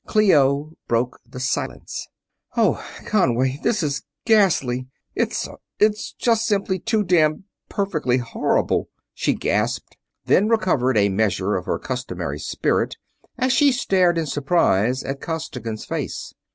Clio broke the silence. "Oh, Conway, this is ghastly! It's ... it's just simply too damned perfectly horrible!" she gasped, then recovered a measure of her customary spirit as she stared in surprise at Costigan's face.